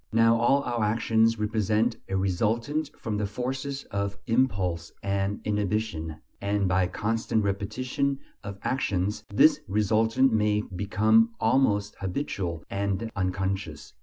Now all our actions represent a resultant of the forces of impulse and inhibition, and by constant repetition of actions this resultant may become almost habitual and unconscious.